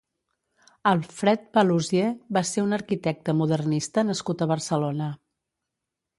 Alfred Paluzie va ser un arquitecte modernista nascut a Barcelona.